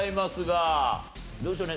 どうでしょうね